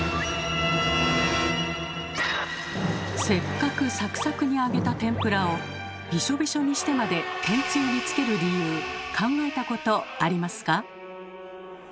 せっかくサクサクに揚げた天ぷらをびしょびしょにしてまで天つゆにつける理由考えたことありますか？